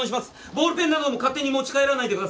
ボールペンなども勝手に持ち帰らないでください。